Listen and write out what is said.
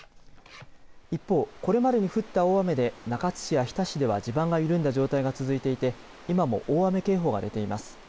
一方これまでに降った大雨で中津市や日田市では地盤が緩んだ状態が続いていて今も大雨警報が出ています。